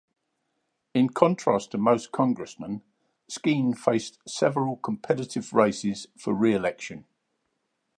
In contrast to most congressmen, Skeen faced several competitive races for reelection.